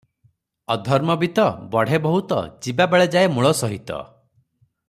"ଅଧର୍ମବିତ୍ତ ବଢ଼େ ବହୁତ, ଯିବାବେଳେ ଯାଏ ମୂଳ ସହିତ ।"